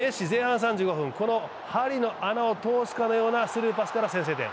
アルゼンチン、メッシ、前半３５分、この針の穴を通すかのようなスルーパスから先制点。